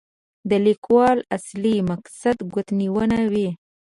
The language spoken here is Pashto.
د لیکوال اصلي مقصد ګوتنیونه وي.